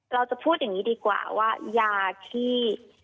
เราจะพูดอย่างนี้ดีกว่าว่ายาที่